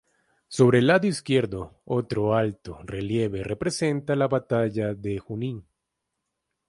Sobre el lado izquierdo otro alto relieve representa la Batalla de Junín.